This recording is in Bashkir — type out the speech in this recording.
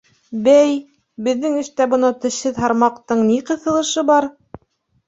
— Бә-әй, беҙҙең эштә бынау тешһеҙ һармаҡтың ни ҡыҫылышы бар?